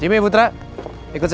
jimmy putra ikut saya lagi ya